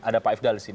ada pak ifdal di sini